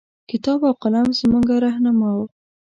کتاب او قلم زمونږه رهنما